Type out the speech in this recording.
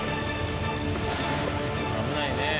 危ないね。